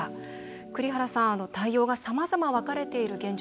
栗原さん、対応がさまざま分かれている現状